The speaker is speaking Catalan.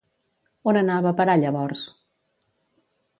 On anava a parar llavors?